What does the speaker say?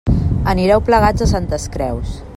Anireu plegats a Santes Creus.